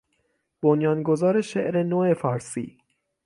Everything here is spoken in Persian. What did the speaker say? بنیانگذار شعر نو فارسی